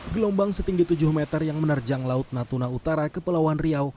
gelombang setinggi tujuh meter yang menerjang laut natuna utara kepulauan riau